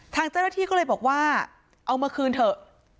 ทางเจ้าหน้าที่ก็เลยบอกว่าเอามาคืนเถอะ